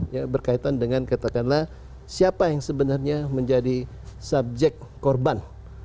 ya berkaitan dengan katakanlah siapa yang sebenarnya menjadi subjek korban